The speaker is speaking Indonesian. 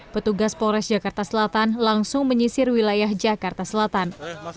petugas polres jakarta selatan langsung menyisir wilayah jakarta selatan